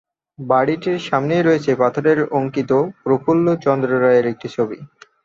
বাড়িটির সামনেই রয়েছে পাথরে অঙ্কিত প্রফুল্ল চন্দ্র রায়ের একটি ছবি।